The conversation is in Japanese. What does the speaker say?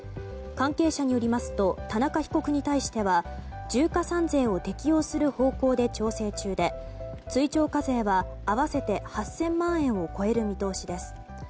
関係者によりますと田中被告に対しては重加算税を適用する方向で調整中で追徴課税は合わせて８０００万円を超える見通しです。